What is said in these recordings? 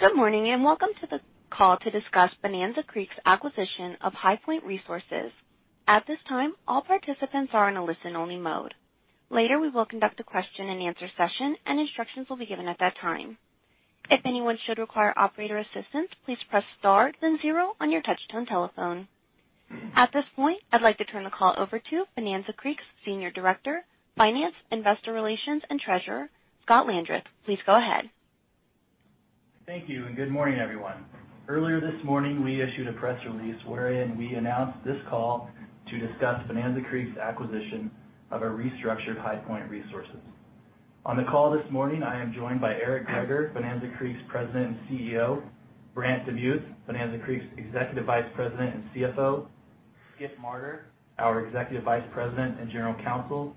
Good morning, welcome to the call to discuss Bonanza Creek's acquisition of HighPoint Resources. At this time, all participants are in a listen-only mode. Later, we will conduct a question and answer session, and instructions will be given at that time. If anyone should require operator assistance, please press star then zero on your touch-tone telephone. At this point, I'd like to turn the call over to Bonanza Creek's Senior Director, Finance, Investor Relations, and Treasurer, Scott Landreth. Please go ahead. Thank you. Good morning, everyone. Earlier this morning, we issued a press release wherein we announced this call to discuss Bonanza Creek's acquisition of a restructured HighPoint Resources. On the call this morning, I am joined by Eric Greager, Bonanza Creek's President and CEO, Brant DeMuth, Bonanza Creek's Executive Vice President and CFO, Skip Marter, our Executive Vice President and General Counsel,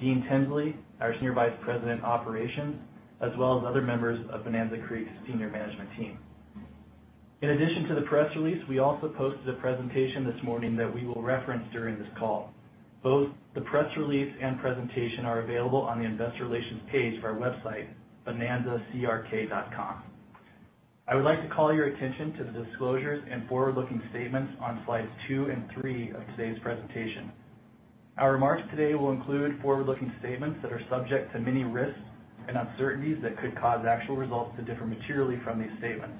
Dean Tinsley, our Senior Vice President Operations, as well as other members of Bonanza Creek's senior management team. In addition to the press release, we also posted a presentation this morning that we will reference during this call. Both the press release and presentation are available on the investor relations page of our website, bonanzacrk.com. I would like to call your attention to the disclosures and forward-looking statements on slides two and three of today's presentation. Our remarks today will include forward-looking statements that are subject to many risks and uncertainties that could cause actual results to differ materially from these statements.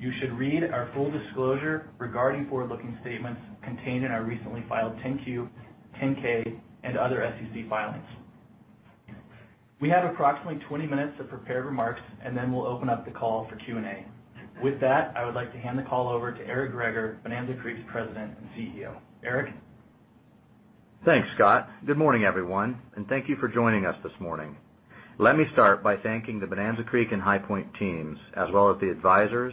You should read our full disclosure regarding forward-looking statements contained in our recently filed 10-Q, 10-K, and other SEC filings. We have approximately 20 minutes of prepared remarks, and then we'll open up the call for Q&A. With that, I would like to hand the call over to Eric Greager, Bonanza Creek's President and CEO. Eric? Thanks, Scott. Good morning, everyone, and thank you for joining us this morning. Let me start by thanking the Bonanza Creek and HighPoint teams, as well as the advisors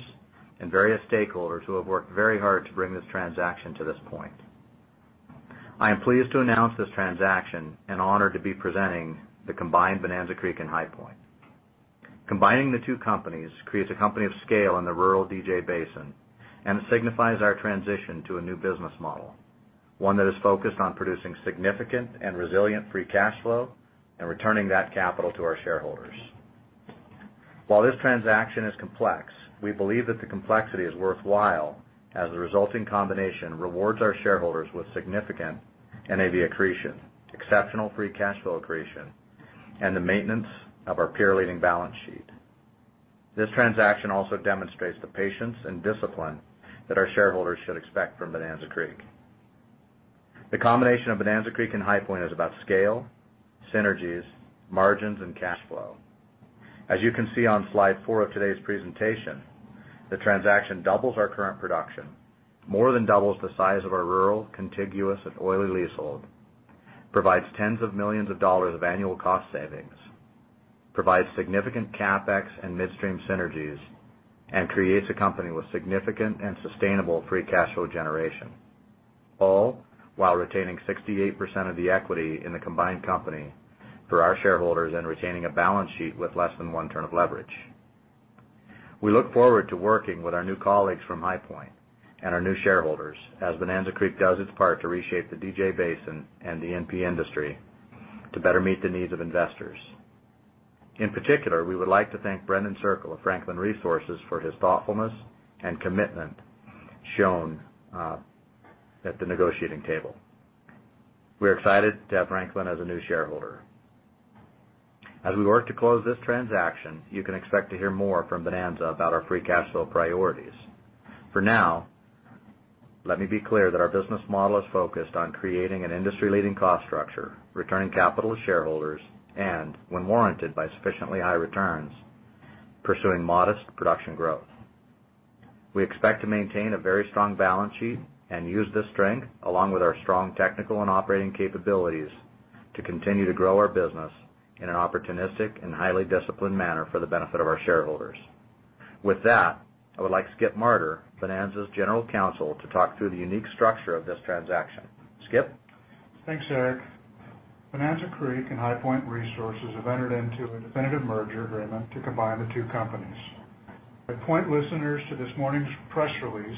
and various stakeholders who have worked very hard to bring this transaction to this point. I am pleased to announce this transaction and honored to be presenting the combined Bonanza Creek and HighPoint. Combining the two companies creates a company of scale in the rural DJ Basin, it signifies our transition to a new business model, one that is focused on producing significant and resilient free cash flow and returning that capital to our shareholders. While this transaction is complex, we believe that the complexity is worthwhile as the resulting combination rewards our shareholders with significant NAV accretion, exceptional free cash flow accretion, and the maintenance of our peer-leading balance sheet. This transaction also demonstrates the patience and discipline that our shareholders should expect from Bonanza Creek. The combination of Bonanza Creek and HighPoint is about scale, synergies, margins, and cash flow. As you can see on slide four of today's presentation, the transaction doubles our current production, more than doubles the size of our rural, contiguous, and oily leasehold, provides tens of millions of dollars of annual cost savings, provides significant CapEx and midstream synergies, and creates a company with significant and sustainable free cash flow generation, all while retaining 68% of the equity in the combined company for our shareholders and retaining a balance sheet with less than one turn of leverage. We look forward to working with our new colleagues from HighPoint and our new shareholders as Bonanza Creek does its part to reshape the DJ Basin and the E&P industry to better meet the needs of investors. In particular, we would like to thank Brendan Circle of Franklin Resources for his thoughtfulness and commitment shown at the negotiating table. We're excited to have Franklin as a new shareholder. As we work to close this transaction, you can expect to hear more from Bonanza about our free cash flow priorities. For now, let me be clear that our business model is focused on creating an industry-leading cost structure, returning capital to shareholders, and when warranted by sufficiently high returns, pursuing modest production growth. We expect to maintain a very strong balance sheet and use this strength along with our strong technical and operating capabilities to continue to grow our business in an opportunistic and highly disciplined manner for the benefit of our shareholders. With that, I would like Skip Marter, Bonanza's General Counsel, to talk through the unique structure of this transaction. Skip? Thanks, Eric. Bonanza Creek and HighPoint Resources have entered into a definitive merger agreement to combine the two companies. I point listeners to this morning's press release,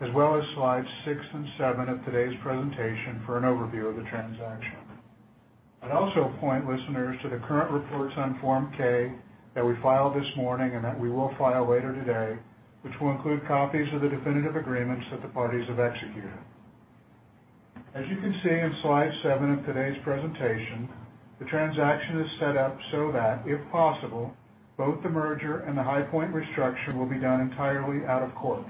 as well as slides six and seven of today's presentation for an overview of the transaction. I'd also point listeners to the current reports on Form K that we filed this morning and that we will file later today, which will include copies of the definitive agreements that the parties have executed. You can see on slide seven of today's presentation, the transaction is set up so that, if possible, both the merger and the HighPoint restructure will be done entirely out of court.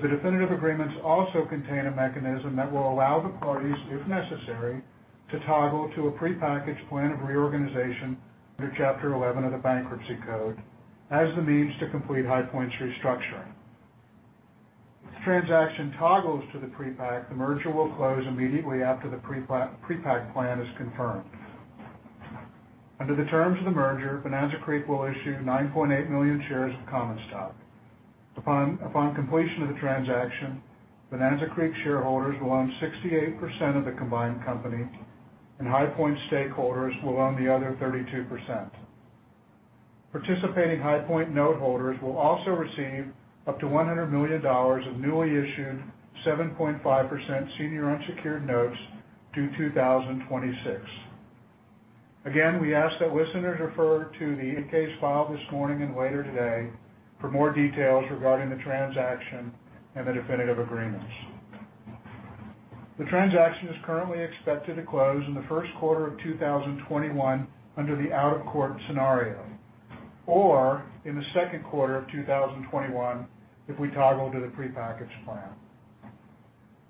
The definitive agreements also contain a mechanism that will allow the parties, if necessary, to toggle to a prepackaged plan of reorganization under Chapter 11 of the Bankruptcy Code as the means to complete HighPoint's restructuring. If the transaction toggles to the pre-pack, the merger will close immediately after the pre-pack plan is confirmed. Under the terms of the merger, Bonanza Creek will issue 9.8 million shares of common stock. Upon completion of the transaction, Bonanza Creek shareholders will own 68% of the combined company, and HighPoint stakeholders will own the other 32%. Participating HighPoint note holders will also receive up to $100 million of newly issued 7.5% senior unsecured notes due 2026. Again, we ask that listeners refer to the 8-K's filed this morning and later today for more details regarding the transaction and the definitive agreements. The transaction is currently expected to close in the first quarter of 2021 under the out-of-court scenario, or in the second quarter of 2021 if we toggle to the prepackaged plan.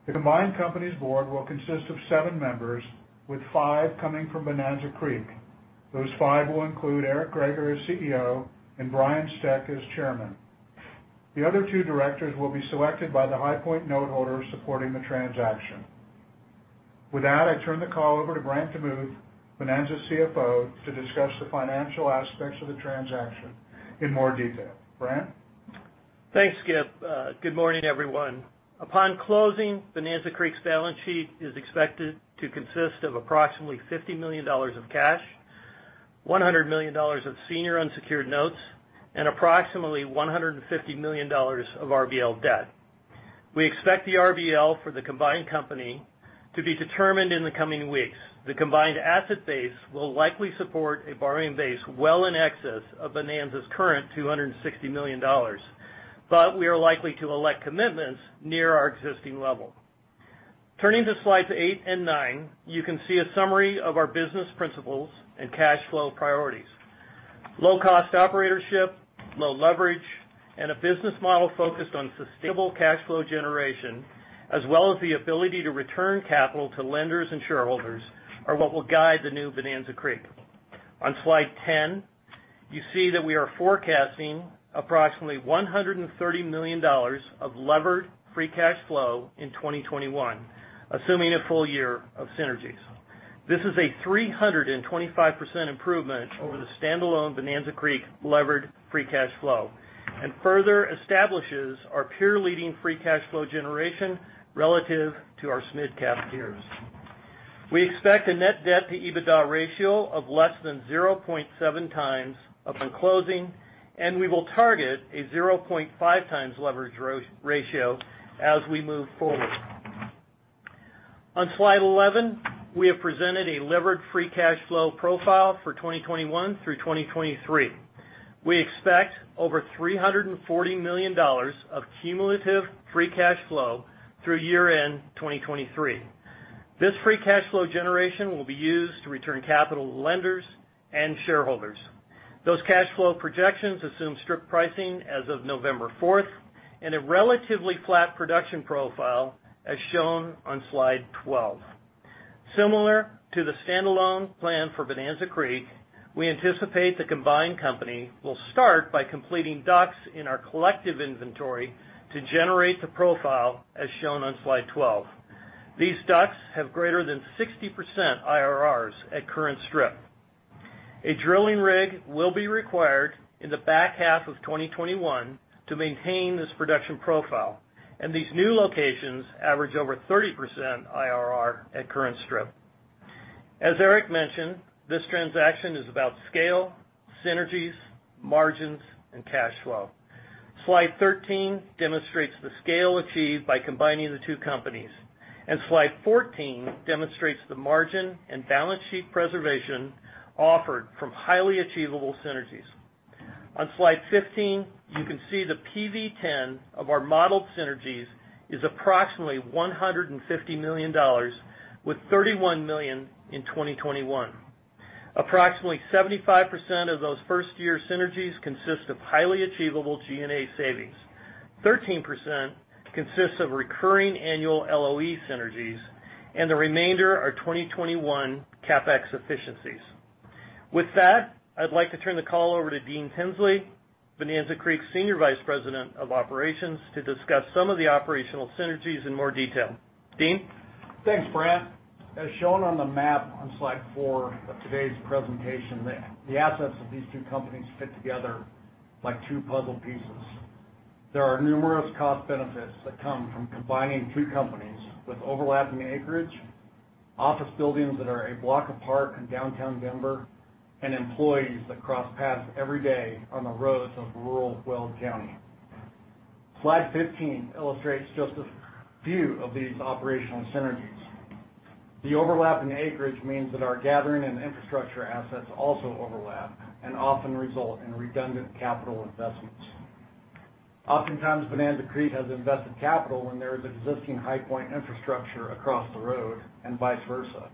The combined company's board will consist of seven members, with five coming from Bonanza Creek. Those five will include Eric Greager as CEO and Brian Steck as Chairman. The other two directors will be selected by the HighPoint noteholders supporting the transaction. With that, I turn the call over to Brant DeMuth, Bonanza CFO, to discuss the financial aspects of the transaction in more detail. Brant? Thanks, Skip. Good morning, everyone. Upon closing, Bonanza Creek's balance sheet is expected to consist of approximately $50 million of cash, $100 million of senior unsecured notes, and approximately $150 million of RBL debt. We expect the RBL for the combined company to be determined in the coming weeks. The combined asset base will likely support a borrowing base well in excess of Bonanza's current $260 million, but we are likely to elect commitments near our existing level. Turning to slides eight and nine, you can see a summary of our business principles and cash flow priorities. Low-cost operatorship, low leverage, and a business model focused on sustainable cash flow generation, as well as the ability to return capital to lenders and shareholders are what will guide the new Bonanza Creek. On slide 10, you see that we are forecasting approximately $130 million of levered free cash flow in 2021, assuming a full year of synergies. This is a 325% improvement over the standalone Bonanza Creek levered free cash flow and further establishes our peer-leading free cash flow generation relative to our mid-cap peers. We expect a net debt-to-EBITDA ratio of less than 0.7 times upon closing, and we will target a 0.5 times leverage ratio as we move forward. On slide 11, we have presented a levered free cash flow profile for 2021 through 2023. We expect over $340 million of cumulative free cash flow through year-end 2023. This free cash flow generation will be used to return capital to lenders and shareholders. Those cash flow projections assume strip pricing as of November 4th and a relatively flat production profile, as shown on slide 12. Similar to the standalone plan for Bonanza Creek, we anticipate the combined company will start by completing DUCs in our collective inventory to generate the profile as shown on slide 12. These DUCs have greater than 60% IRRs at current strip. A drilling rig will be required in the back half of 2021 to maintain this production profile, and these new locations average over 30% IRR at current strip. As Eric mentioned, this transaction is about scale, synergies, margins, and cash flow. Slide 13 demonstrates the scale achieved by combining the two companies, and slide 14 demonstrates the margin and balance sheet preservation offered from highly achievable synergies. On slide 15, you can see the PV-10 of our modeled synergies is approximately $150 million, with $31 million in 2021. Approximately 75% of those first-year synergies consist of highly achievable G&A savings. 13% consists of recurring annual LOE synergies, and the remainder are 2021 CapEx efficiencies. With that, I'd like to turn the call over to Dean Tinsley, Bonanza Creek's Senior Vice President of Operations, to discuss some of the operational synergies in more detail. Dean? Thanks, Brant. As shown on the map on slide four of today's presentation, the assets of these two companies fit together like two puzzle pieces. There are numerous cost benefits that come from combining two companies with overlapping acreage, office buildings that are a block apart in downtown Denver, and employees that cross paths every day on the roads of rural Weld County. Slide 15 illustrates just a few of these operational synergies. The overlapping acreage means that our gathering and infrastructure assets also overlap and often result in redundant capital investments. Oftentimes, Bonanza Creek has invested capital when there is existing HighPoint infrastructure across the road, and vice versa.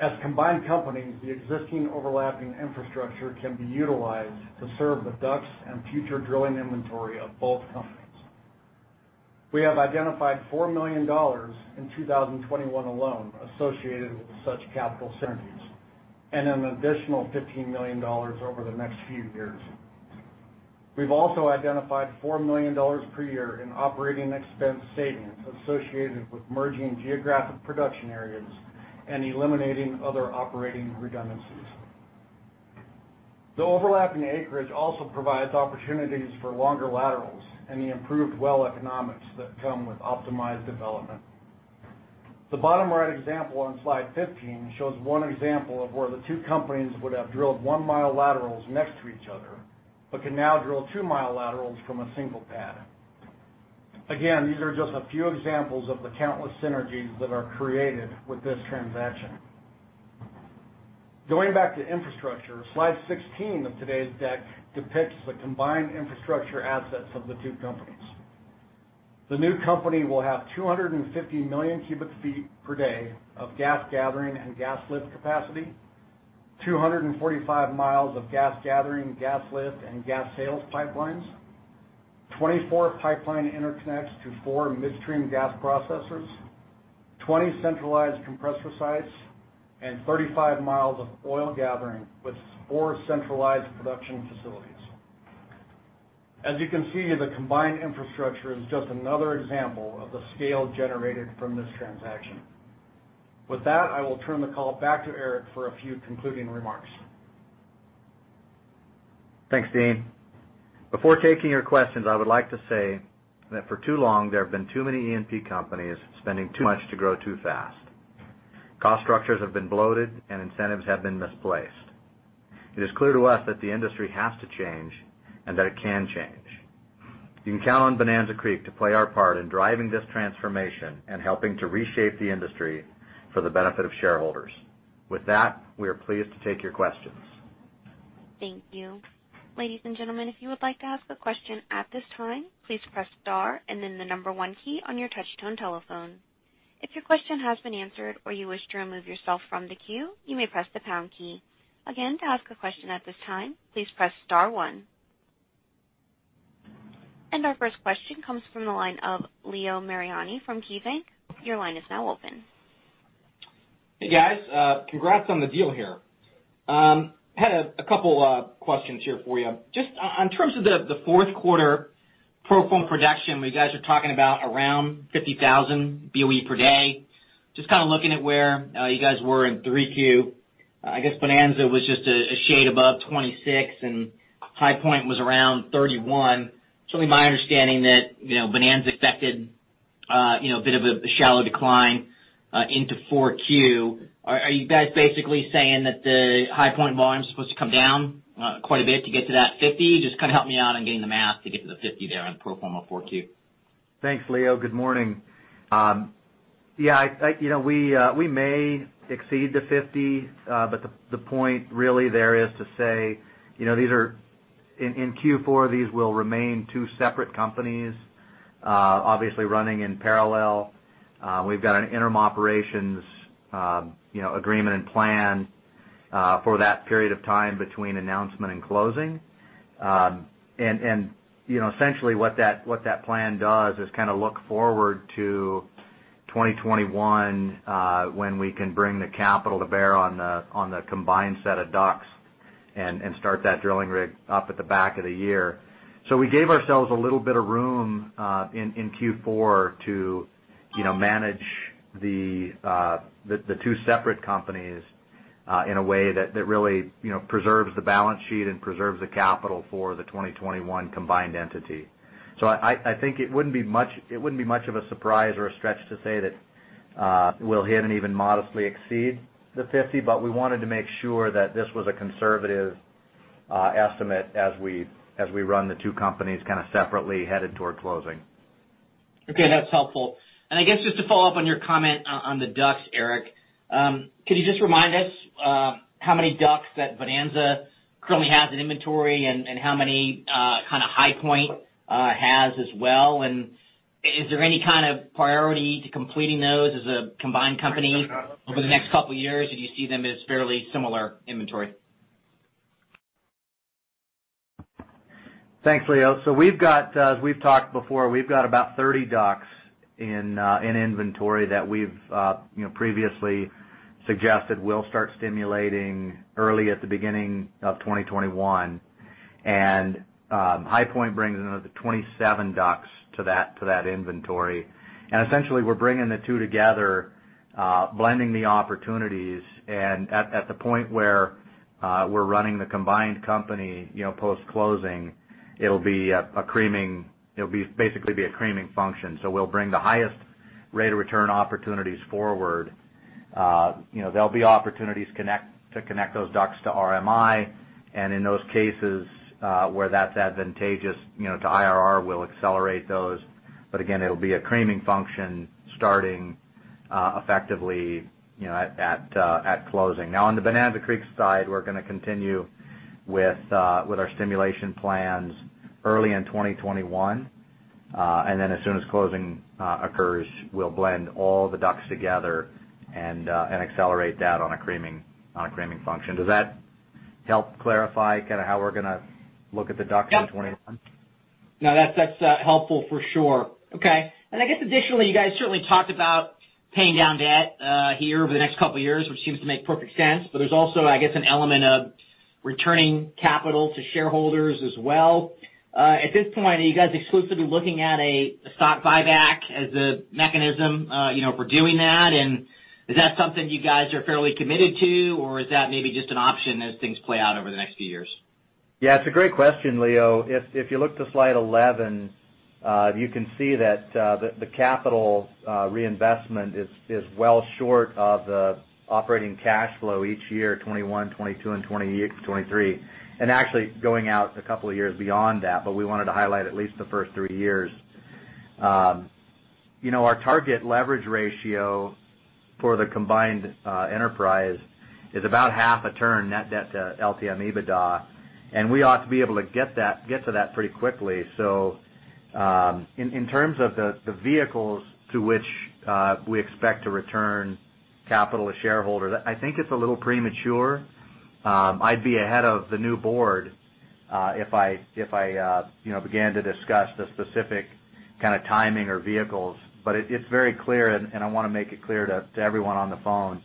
As combined companies, the existing overlapping infrastructure can be utilized to serve the DUCs and future drilling inventory of both companies. We have identified $4 million in 2021 alone associated with such capital synergies, and an additional $15 million over the next few years. We've also identified $4 million per year in operating expense savings associated with merging geographic production areas and eliminating other operating redundancies. The overlapping acreage also provides opportunities for longer laterals and the improved well economics that come with optimized development. The bottom-right example on slide 15 shows one example of where the two companies would have drilled 1 mi laterals next to each other but can now drill 2 mi laterals from a single pad. Again, these are just a few examples of the countless synergies that are created with this transaction. Going back to infrastructure, slide 16 of today's deck depicts the combined infrastructure assets of the two companies. The new company will have 250 million cubic feet per day of gas gathering and gas lift capacity, 245 mi of gas gathering, gas lift, and gas sales pipelines, 24 pipeline interconnects to four midstream gas processors, 20 centralized compressor sites, and 35 mi of oil gathering with four centralized production facilities. As you can see, the combined infrastructure is just another example of the scale generated from this transaction. With that, I will turn the call back to Eric for a few concluding remarks. Thanks, Dean. Before taking your questions, I would like to say that for too long, there have been too many E&P companies spending too much to grow too fast. Cost structures have been bloated, incentives have been misplaced. It is clear to us that the industry has to change, that it can change. You can count on Bonanza Creek to play our part in driving this transformation and helping to reshape the industry for the benefit of shareholders. With that, we are pleased to take your questions. Thank you. Ladies and gentlemen, if you would like to ask a question at this time, please press star and then the number one key on your touch-tone telephone. If your question has been answered or you wish to remove yourself from the queue, you may press the pound key. Again, to ask a question at this time, please press star one. Our first question comes from the line of Leo Mariani from KeyBanc. Your line is now open. Hey, guys. Congrats on the deal here. Had a couple questions here for you. Just on terms of the fourth quarter pro forma production, where you guys are talking about around 50,000 BOE per day. Just looking at where you guys were in 3Q, I guess Bonanza was just a shade above 26 and HighPoint was around 31. Certainly my understanding that Bonanza expected a bit of a shallow decline into 4Q. Are you guys basically saying that the HighPoint volume is supposed to come down quite a bit to get to that 50? Just help me out on getting the math to get to the 50 there on pro forma 4Q. Thanks, Leo. Good morning. Yeah, we may exceed the 50, but the point really there is to say in Q4, these will remain two separate companies obviously running in parallel. We've got an interim operations agreement and plan for that period of time between announcement and closing. Essentially what that plan does is look forward to 2021, when we can bring the capital to bear on the combined set of DUCs and start that drilling rig up at the back of the year. We gave ourselves a little bit of room in Q4 to manage the two separate companies in a way that really preserves the balance sheet and preserves the capital for the 2021 combined entity. I think it wouldn't be much of a surprise or a stretch to say that we'll hit and even modestly exceed the 50, but we wanted to make sure that this was a conservative estimate as we run the two companies separately headed toward closing. Okay, that's helpful. I guess just to follow up on your comment on the DUCs, Eric. Could you just remind us how many DUCs that Bonanza currently has in inventory and how many HighPoint has as well, and is there any kind of priority to completing those as a combined company over the next couple of years, or do you see them as fairly similar inventory? Thanks, Leo. As we've talked before, we've got about 30 DUCs in inventory that we've previously suggested we'll start stimulating early at the beginning of 2021. HighPoint brings another 27 DUCs to that inventory. Essentially, we're bringing the two together, blending the opportunities. At the point where we're running the combined company post-closing, it'll basically be a creaming function. We'll bring the highest rate of return opportunities forward. There'll be opportunities to connect those DUCs to RMI, and in those cases where that's advantageous to IRR, we'll accelerate those. Again, it'll be a creaming function starting effectively at closing. Now, on the Bonanza Creek side, we're going to continue with our stimulation plans early in 2021. Then as soon as closing occurs, we'll blend all the DUCs together and accelerate that on a creaming function. Does that help clarify how we're going to look at the DUCs in 2021? No, that's helpful for sure. Okay. I guess additionally, you guys certainly talked about paying down debt here over the next couple of years, which seems to make perfect sense. There's also, I guess, an element of returning capital to shareholders as well. At this point, are you guys exclusively looking at a stock buyback as a mechanism for doing that? Is that something you guys are fairly committed to, or is that maybe just an option as things play out over the next few years? Yeah, it's a great question, Leo. If you look to slide 11, you can see that the capital reinvestment is well short of the operating cash flow each year, 2021, 2022, and 2023. Actually going out a couple of years beyond that. We wanted to highlight at least the first three years. Our target leverage ratio for the combined enterprise is about half a turn net debt to LTM EBITDA, and we ought to be able to get to that pretty quickly. In terms of the vehicles to which we expect to return capital to shareholders, I think it's a little premature. I'd be ahead of the new board if I began to discuss the specific kind of timing or vehicles. It's very clear, and I want to make it clear to everyone on the phone,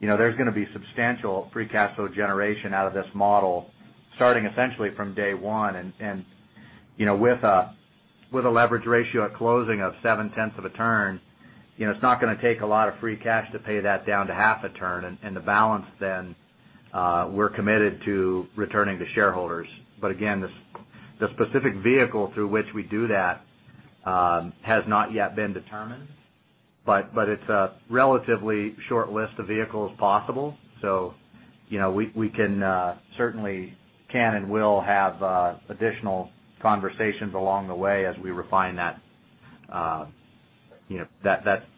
there's going to be substantial free cash flow generation out of this model starting essentially from day one. With a leverage ratio at closing of seven tenths of a turn, it's not going to take a lot of free cash to pay that down to half a turn. The balance then, we're committed to returning to shareholders. Again, the specific vehicle through which we do that has not yet been determined. It's a relatively short list of vehicles possible. We can certainly and will have additional conversations along the way as we refine that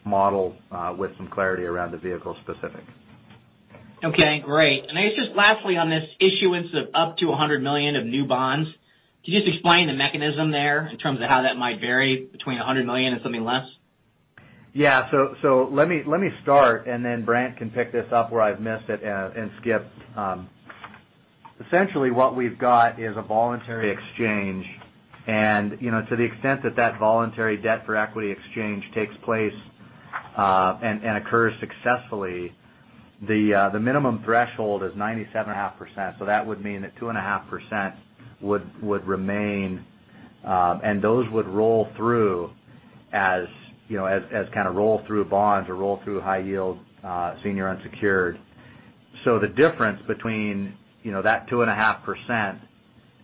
model with some clarity around the vehicle specifics. Okay, great. I guess just lastly on this issuance of up to $100 million of new bonds, could you just explain the mechanism there in terms of how that might vary between $100 million and something less? Let me start, Brant can pick this up where I've missed it and Skip. Essentially what we've got is a voluntary exchange. To the extent that that voluntary debt for equity exchange takes place and occurs successfully, the minimum threshold is 97.5%. That would mean that 2.5% would remain, and those would roll through as kind of roll through bonds or roll through high yield senior unsecured. The difference between that 2.5%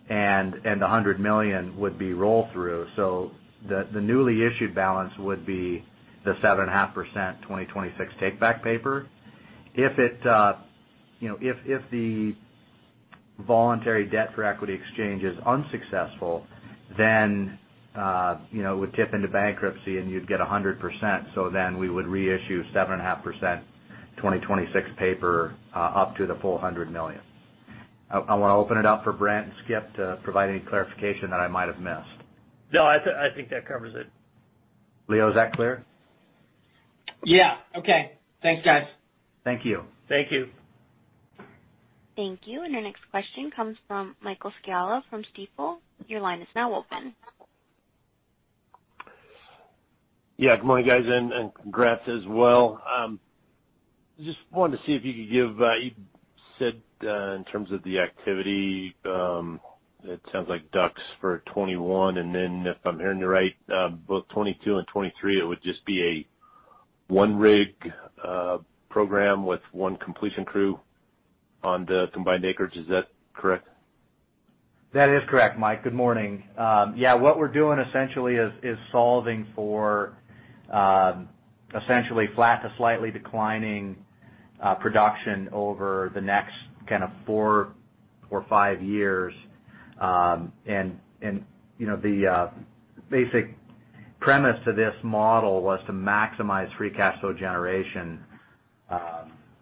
and the $100 million would be roll through. The newly issued balance would be the 7.5% 2026 takeback paper. If the voluntary debt for equity exchange is unsuccessful, it would tip into bankruptcy, and you'd get 100%. We would reissue 7.5% 2026 paper up to the full $100 million. I want to open it up for Brant and Skip to provide any clarification that I might have missed. No, I think that covers it. Leo, is that clear? Okay. Thanks, guys. Thank you. Thank you. Thank you. Your next question comes from Michael Scialla from Stifel. Your line is now open. Yeah. Good morning, guys, and congrats as well. You said in terms of the activity, it sounds like DUCs for 2021. If I'm hearing you right, both 2022 and 2023, it would just be a one rig program with one completion crew on the combined acreage. Is that correct? That is correct, Mike. Good morning. Yeah, what we're doing essentially is solving for essentially flat to slightly declining production over the next kind of four or five years. The basic premise to this model was to maximize free cash flow generation.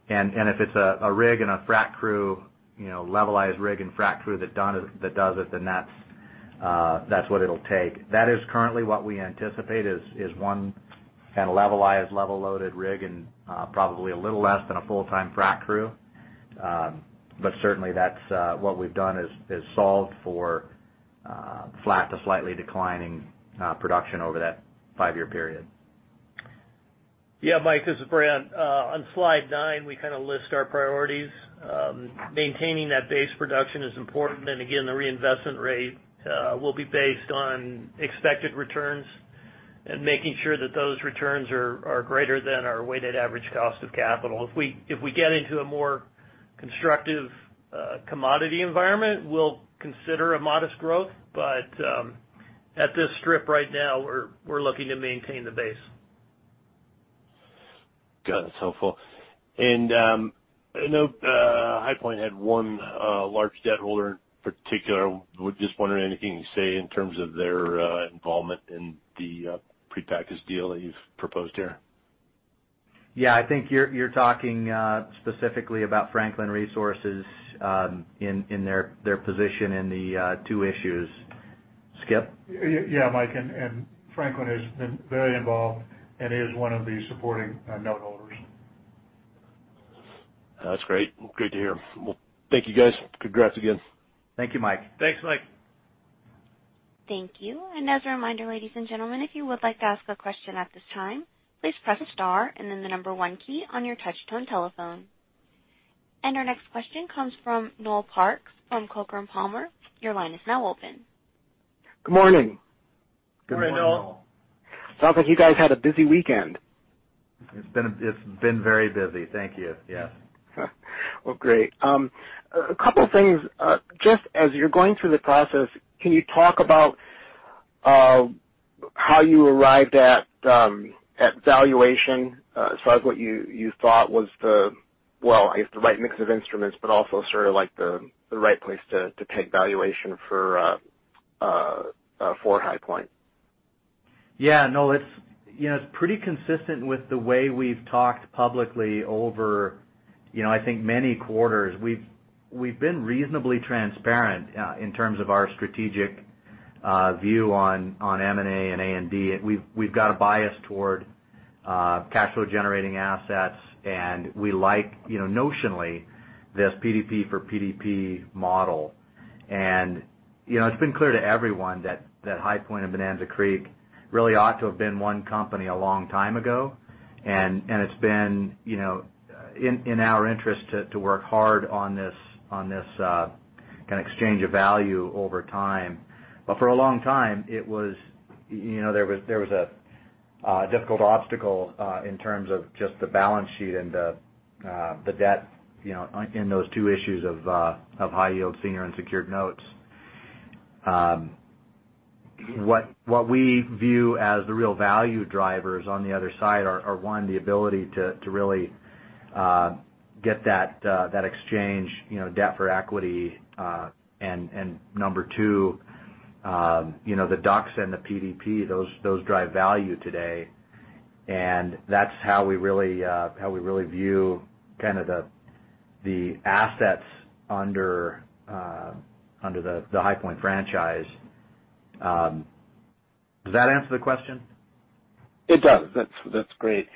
If it's a rig and a frac crew, levelized rig and frac crew that does it, then that's what it'll take. That is currently what we anticipate is one kind of levelized, level loaded rig and probably a little less than a full-time frac crew. Certainly that's what we've done is solved for flat to slightly declining production over that five-year period. Yeah, Mike, this is Brant. On slide nine, we kind of list our priorities. Maintaining that base production is important. Again, the reinvestment rate will be based on expected returns and making sure that those returns are greater than our weighted average cost of capital. If we get into a more constructive commodity environment, we'll consider a modest growth. At this strip right now, we're looking to maintain the base. Got it. That's helpful. I know HighPoint had one large debt holder in particular. Was just wondering, anything you can say in terms of their involvement in the prepackaged deal that you've proposed here? Yeah, I think you're talking specifically about Franklin Resources in their position in the two issues. Skip? Mike. Franklin has been very involved and is one of the supporting noteholders. That's great. Great to hear. Well, thank you, guys. Congrats again. Thank you, Mike. Thanks, Mike. Thank you. As a reminder, ladies and gentlemen, if you would like to ask a question at this time, please press star and then the number one key on your touchtone telephone. Our next question comes from Noel Parks from Coker & Palmer. Your line is now open. Good morning. Good morning, Noel. Good morning, Noel. Sounds like you guys had a busy weekend. It's been very busy. Thank you. Yes. Well, great. A couple things. Just as you're going through the process, can you talk about how you arrived at valuation as far as what you thought was the, well, I guess the right mix of instruments, but also sort of the right place to peg valuation for HighPoint. No. It's pretty consistent with the way we've talked publicly over I think many quarters. We've been reasonably transparent in terms of our strategic view on M&A and A&D. We've got a bias toward cash flow generating assets, and we like notionally this PDP for PDP model. It's been clear to everyone that HighPoint and Bonanza Creek really ought to have been one company a long time ago, and it's been in our interest to work hard on this exchange of value over time. For a long time, there was a difficult obstacle in terms of just the balance sheet and the debt in those two issues of high yield senior unsecured notes. What we view as the real value drivers on the other side are, one, the ability to really get that exchange, debt for equity. Number two, the DUCs and the PDP, those drive value today. That's how we really view kind of the assets under the HighPoint franchise. Does that answer the question? It does. That's great.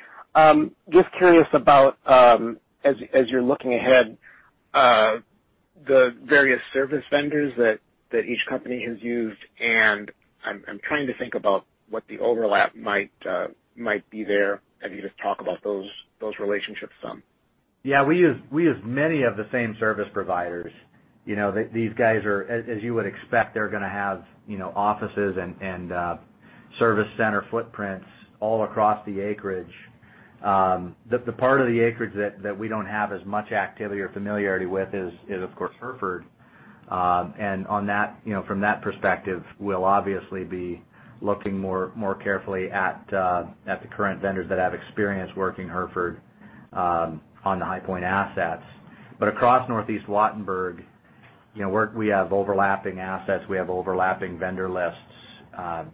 Just curious about, as you're looking ahead, the various service vendors that each company has used, and I'm trying to think about what the overlap might be there. Have you just talk about those relationships some? Yeah, we use many of the same service providers. These guys are, as you would expect, they're going to have offices and service center footprints all across the acreage. The part of the acreage that we don't have as much activity or familiarity with is, of course, Hereford. From that perspective, we'll obviously be looking more carefully at the current vendors that have experience working Hereford on the HighPoint assets. Across Northeast Wattenberg, we have overlapping assets. We have overlapping vendor lists. I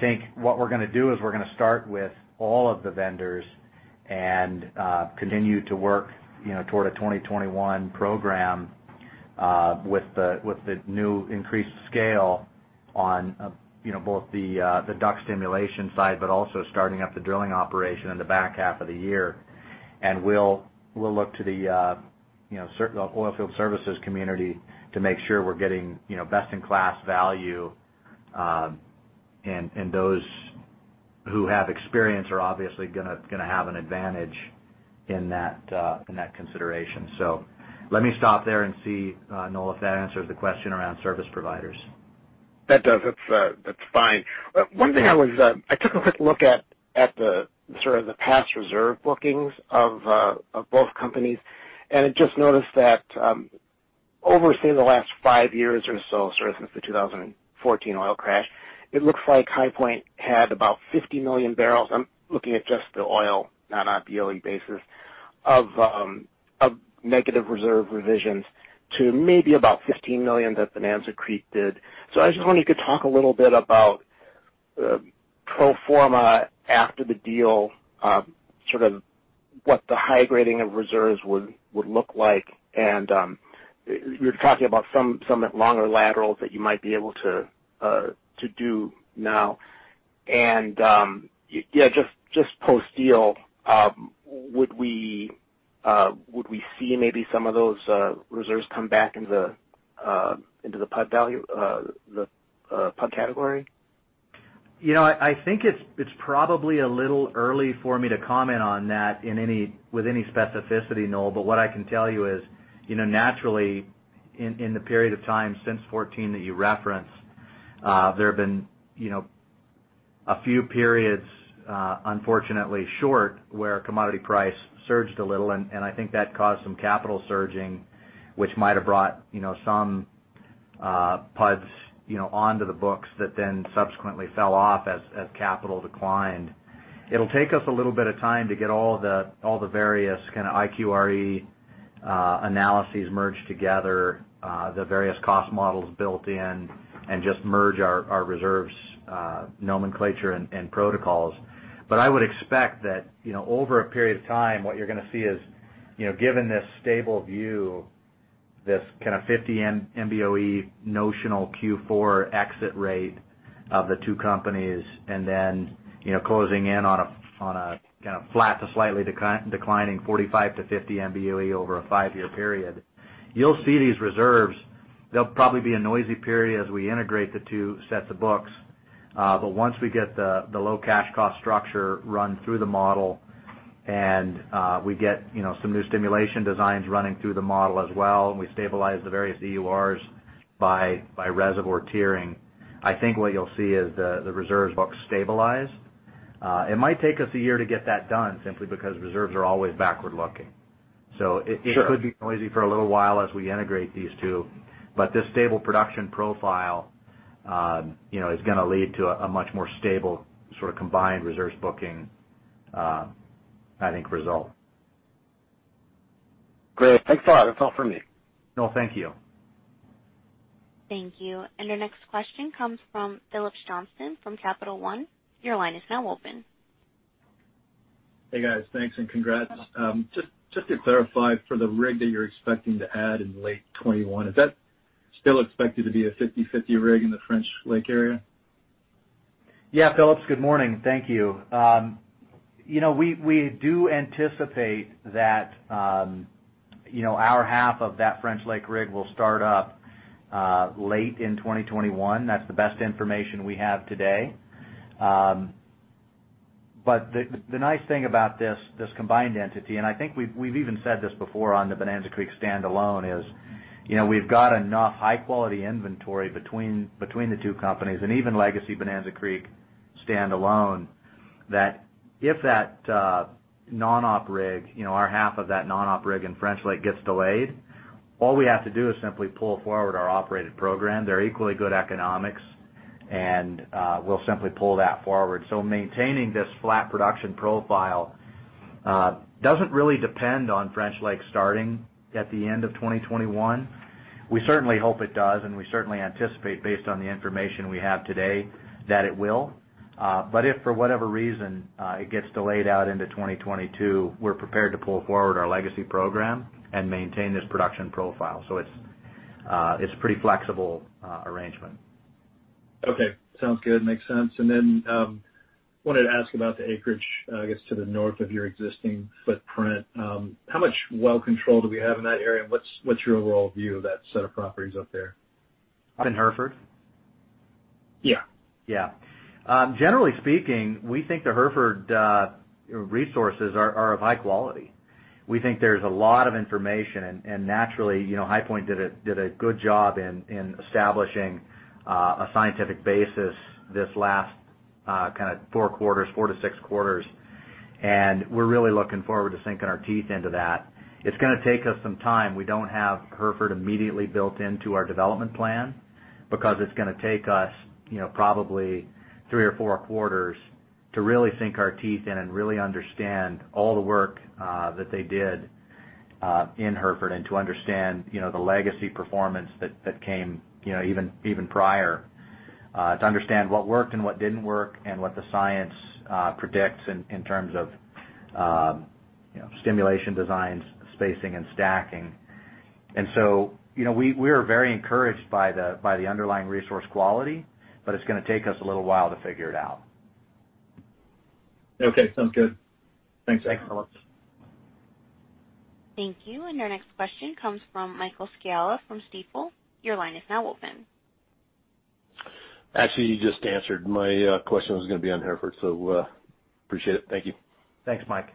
think what we're going to do is we're going to start with all of the vendors and continue to work toward a 2021 program with the new increased scale on both the DUC stimulation side, but also starting up the drilling operation in the back half of the year. We'll look to the oil field services community to make sure we're getting best-in-class value, and those who have experience are obviously going to have an advantage in that consideration. Let me stop there and see, Noel, if that answers the question around service providers. That does. That's fine. One thing I took a quick look at the sort of the past reserve bookings of both companies. I just noticed that over, say, the last five years or so, sort of since the 2014 oil crash, it looks like HighPoint had about 50 million barrels. I'm looking at just the oil, not on BOE basis, of negative reserve revisions to maybe about 15 million that Bonanza Creek did. I just wonder if you could talk a little bit about pro forma after the deal, sort of what the high grading of reserves would look like. You're talking about some longer laterals that you might be able to do now. Yeah, just post-deal, would we see maybe some of those reserves come back into the PUD category? I think it's probably a little early for me to comment on that with any specificity, Noel, what I can tell you is, naturally, in the period of time since 2014 that you referenced, there have been a few periods, unfortunately short, where commodity price surged a little, and I think that caused some capital surging, which might have brought some PUDs onto the books that then subsequently fell off as capital declined. It'll take us a little bit of time to get all the various kind of IQRE analyses merged together, the various cost models built in, and just merge our reserves nomenclature and protocols. I would expect that over a period of time, what you're going to see is, given this stable view, this kind of 50 MBOE notional Q4 exit rate of the two companies, and then closing in on a kind of flat to slightly declining 45 MBOE-50 MBOE over a five-year period. You'll see these reserves. There'll probably be a noisy period as we integrate the two sets of books. Once we get the low cash cost structure run through the model and we get some new stimulation designs running through the model as well, and we stabilize the various EURs by reservoir tiering, I think what you'll see is the reserves book stabilize. It might take us a year to get that done simply because reserves are always backward-looking. So it could be noisy for a little while as we integrate these two. This stable production profile is going to lead to a much more stable sort of combined reserves booking, I think, result. Great. Thanks a lot. That's all for me. No, thank you. Thank you. Our next question comes from Phillips Johnston from Capital One. Your line is now open. Hey, guys. Thanks and congrats. Just to clarify, for the rig that you're expecting to add in late 2021, is that still expected to be a 50/50 rig in the French Lake area? Yeah, Phillips. Good morning. Thank you. We do anticipate that our half of that French Lake rig will start up late in 2021. That's the best information we have today. The nice thing about this combined entity, and I think we've even said this before on the Bonanza Creek standalone, is we've got enough high-quality inventory between the two companies, and even legacy Bonanza Creek standalone, that if that non-op rig, our half of that non-op rig in French Lake gets delayed, all we have to do is simply pull forward our operated program. They're equally good economics. We'll simply pull that forward. Maintaining this flat production profile doesn't really depend on French Lake starting at the end of 2021. We certainly hope it does, and we certainly anticipate, based on the information we have today, that it will. If for whatever reason it gets delayed out into 2022, we're prepared to pull forward our legacy program and maintain this production profile. It's a pretty flexible arrangement. Okay. Sounds good. Makes sense. Wanted to ask about the acreage, I guess, to the north of your existing footprint. How much well control do we have in that area, and what's your overall view of that set of properties up there? Up in Hereford? Yeah. Generally speaking, we think the Hereford resources are of high quality. We think there's a lot of information, naturally, HighPoint did a good job in establishing a scientific basis this last four quarters, four to six quarters, we're really looking forward to sinking our teeth into that. It's going to take us some time. We don't have Hereford immediately built into our development plan because it's going to take us probably three or four quarters to really sink our teeth in and really understand all the work that they did in Hereford and to understand the legacy performance that came even prior. To understand what worked and what didn't work and what the science predicts in terms of stimulation designs, spacing, and stacking. We are very encouraged by the underlying resource quality, it's going to take us a little while to figure it out. Okay, sounds good. Thanks. Excellent. Thank you. Your next question comes from Michael Scialla from Stifel. Your line is now open. Actually, you just answered. My question was going to be on Hereford, so appreciate it. Thank you. Thanks, Mike.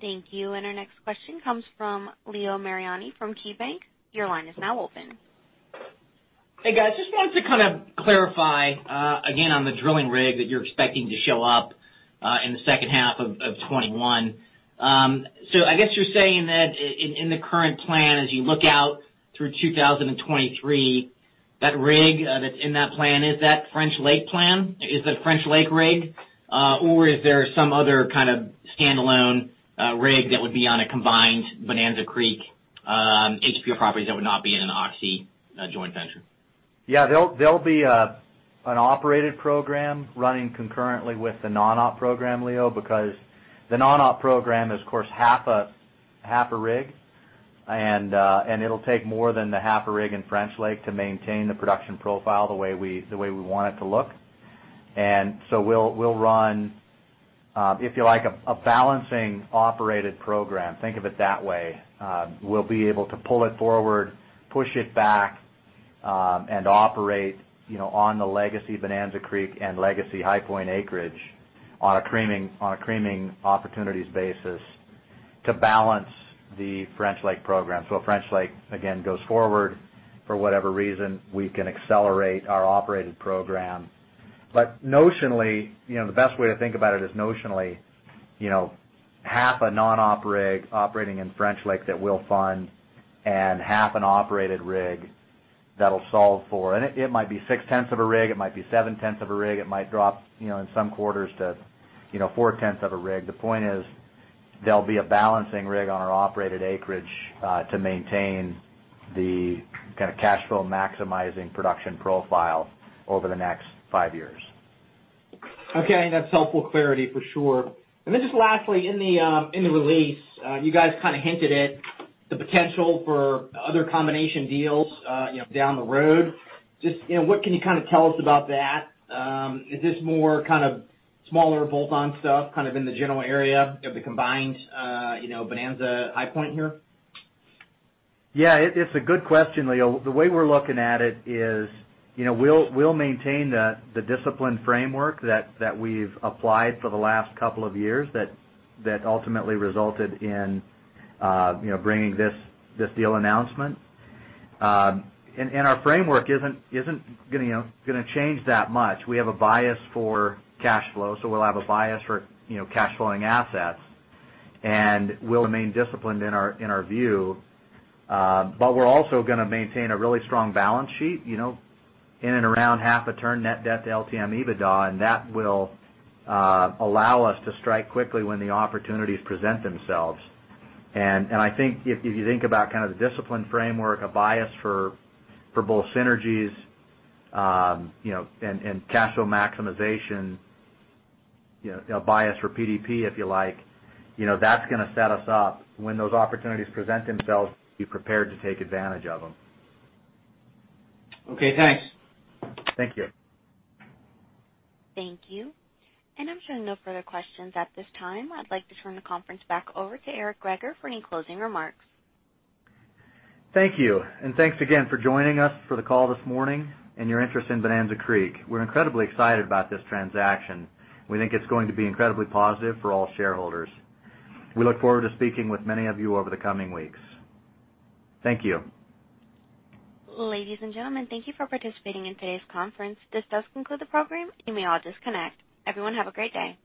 Thank you. Our next question comes from Leo Mariani from KeyBanc. Your line is now open. Hey, guys. Just wanted to kind of clarify again on the drilling rig that you're expecting to show up in the second half of 2021. I guess you're saying that in the current plan, as you look out through 2023, that rig that's in that plan, is that French Lake plan? Is it a French Lake rig, or is there some other kind of standalone rig that would be on a combined Bonanza Creek HPR properties that would not be in an OXY joint venture? They'll be an operated program running concurrently with the non-op program, Leo. The non-op program is, of course, half a rig, and it'll take more than the half a rig in French Lake to maintain the production profile the way we want it to look. We'll run, if you like, a balancing operated program. Think of it that way. We'll be able to pull it forward, push it back, and operate on the legacy Bonanza Creek and legacy HighPoint acreage on a creaming opportunities basis to balance the French Lake program. If French Lake, again, goes forward for whatever reason, we can accelerate our operated program. Notionally, the best way to think about it is notionally half a non-op rig operating in French Lake that we'll fund and half an operated rig that'll solve for. It might be six-tenths of a rig, it might be seven-tenths of a rig, it might drop in some quarters to four-tenths of a rig. The point is, there'll be a balancing rig on our operated acreage to maintain the kind of cash flow maximizing production profile over the next five years. Okay. That's helpful clarity, for sure. Just lastly, in the release, you guys kind of hinted at the potential for other combination deals down the road. Just what can you tell us about that? Is this more kind of smaller bolt-on stuff, kind of in the general area of the combined Bonanza HighPoint here? Yeah. It's a good question, Leo. The way we're looking at it is we'll maintain the discipline framework that we've applied for the last couple of years that ultimately resulted in bringing this deal announcement. Our framework isn't going to change that much. We have a bias for cash flow. We'll have a bias for cash flowing assets. We'll remain disciplined in our view. We're also going to maintain a really strong balance sheet in and around half a turn net debt to LTM EBITDA. That will allow us to strike quickly when the opportunities present themselves. I think if you think about the discipline framework, a bias for both synergies and cash flow maximization, a bias for PDP if you like, that's going to set us up when those opportunities present themselves to be prepared to take advantage of them. Okay, thanks. Thank you. Thank you. I'm showing no further questions at this time. I'd like to turn the conference back over to Eric Greager for any closing remarks. Thank you. Thanks again for joining us for the call this morning and your interest in Bonanza Creek. We're incredibly excited about this transaction. We think it's going to be incredibly positive for all shareholders. We look forward to speaking with many of you over the coming weeks. Thank you. Ladies and gentlemen, thank you for participating in today's conference. This does conclude the program. You may all disconnect. Everyone have a great day.